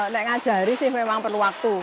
naik ngajari sih memang perlu waktu